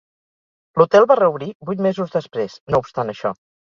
L'hotel va reobrir vuit mesos després, no obstant això.